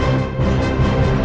aku akan menang